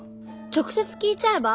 直接聞いちゃえば？